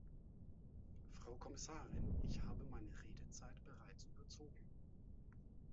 Frau Kommissarin, ich habe meine Redezeit bereits überzogen.